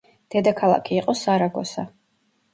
დედაქალაქი იყო სარაგოსა.